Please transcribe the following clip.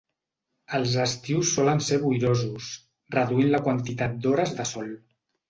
Els estius solen ser boirosos, reduint la quantitat d'hores de sol.